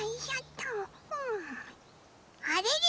あれれ？